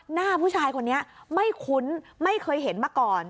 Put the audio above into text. หน้าผู้ชายคนนี้ไม่คุ้นไม่เคยเห็นมาก่อน